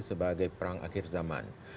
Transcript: sebagai perang akhir zaman